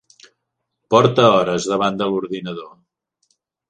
Porta hores davant de l'ordinador.